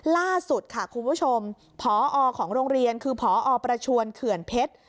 ล่าสุดค่ะคุณผู้ชมพอของโรงเรียนคือพอประชวนเขื่อนเพชร